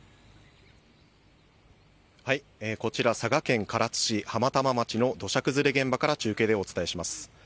こちら、佐賀県唐津市浜玉町の土砂崩れ現場から中継でお伝えします。